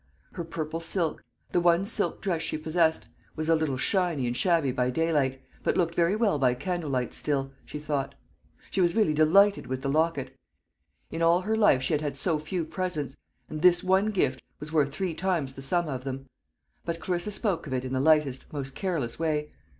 Her purple silk the one silk dress she possessed was a little shiny and shabby by daylight, but looked very well by candle light still, she thought. She was really delighted with the locket. In all her life she had had so few presents; and this one gift was worth three times the sum of them. But Clarissa spoke of it in the lightest, most careless way.